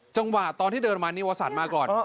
จังหวะตอนที่เดินมานิวสันมาก่อน